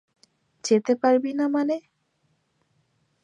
যেতে পারবি না মানে?